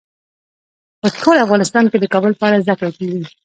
په ټول افغانستان کې د کابل په اړه زده کړه کېږي.